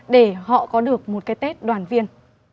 để họ có được một cái tết đoàn viên